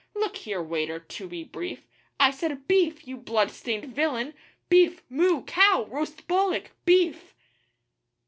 Look here, waiter, to be brief, I said beef! you blood stained villain! Beef moo cow Roast Bullock BEEF!